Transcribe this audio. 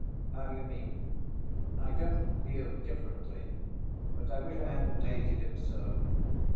"How do you mean?" "I don't feel differently, but I wish I hadn't hated him so."